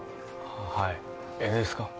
はいええですか？